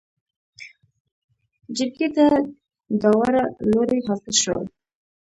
جرګې ته داوړه لورې حاضر شول.